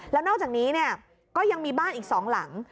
แล้วนอกจากนี้ก็ยังมีบ้านอีก๒หลัง